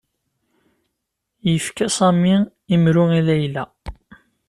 Yefka Sami imru i Layla.